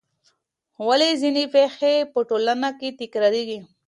ولې ځینې پېښې په ټولنه کې تکراریږي؟